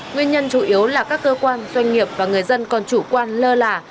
nguyên nhân chủ yếu là các cơ quan doanh nghiệp và người dân còn chủ quan lơ là